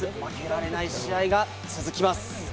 負けられない試合が続きます。